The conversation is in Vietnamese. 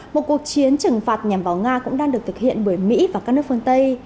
một cuộc chiến trừng phạt nhằm vào nga cũng đang được thực hiện bởi mỹ và các nước phương tây